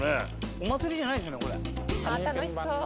お祭りじゃないですよねこれ。